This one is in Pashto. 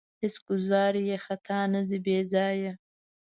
هېڅ ګوزار یې خطا نه ځي بې ځایه.